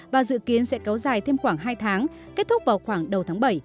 và dự kiến sẽ kéo dài thêm khoảng hai tháng kết thúc vào khoảng đầu tháng bảy